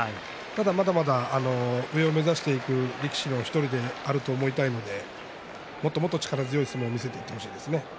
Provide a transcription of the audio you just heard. まだまだ上を目指せる力士の１人であると思いたいのでもっともっと力強い相撲を見せてほしいですね。